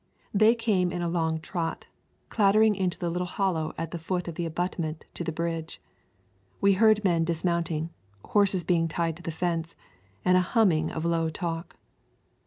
They came in a long trot, clattering into the little hollow at the foot of the abutment to the bridge. We heard men dismounting, horses being tied to the fence, and a humming of low talk.